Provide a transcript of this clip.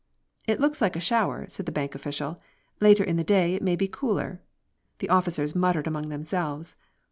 "It looks like a shower," said the bank official. "Later in the day it may be cooler." The officers muttered among themselves.